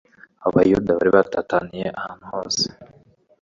Abayuda bari baratataniye ahantu hose,